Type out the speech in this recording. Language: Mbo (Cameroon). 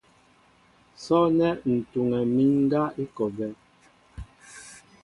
Sɔ̂nɛ́ ǹ tuŋɛ mín ŋgá i kɔ a bɛ́.